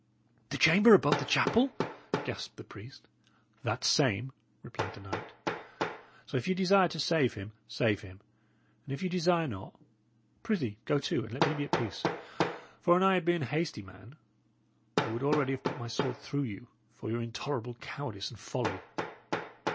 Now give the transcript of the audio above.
"The chamber above the chapel!" gasped the priest. "That same," replied the knight. "So if ye desire to save him, save him; and if ye desire not, prithee, go to, and let me be at peace! For an I had been a hasty man, I would already have put my sword through you, for your intolerable cowardice and folly.